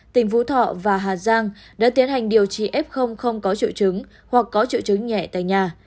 tỉnh phú thọ và hà giang đã tiến hành điều trị f không có triệu chứng hoặc có triệu chứng nhẹ tại nhà